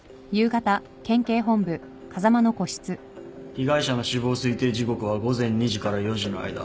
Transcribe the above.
被害者の死亡推定時刻は午前２時から４時の間。